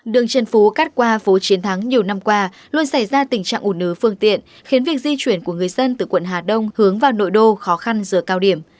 đường trần phú cát qua phố chiến thắng nhiều năm qua luôn xảy ra tình trạng ủn ứ phương tiện khiến việc di chuyển của người dân từ quận hà đông hướng vào nội đô khó khăn giờ cao điểm